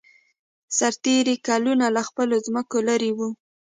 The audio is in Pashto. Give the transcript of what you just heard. سرتېري کلونه له خپلو ځمکو لېرې وو